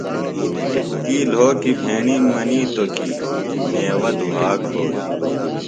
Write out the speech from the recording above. تی لھوکیۡ بھݨِیم مِنیتوۡ کی میوہ دُھا کھوئی۔